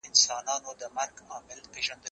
کېدای سي نان تياره وي؟!